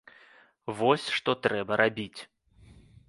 Вось што трэба рабіць.